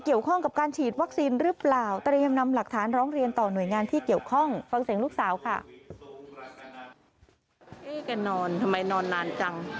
เอ๊แกนอนจัง